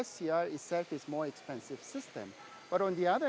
scr sendiri adalah sistem yang mahal